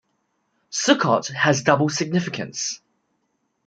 Sukkot has a double significance.